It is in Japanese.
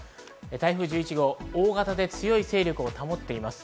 台風１１号、大型で強い勢力を保っています。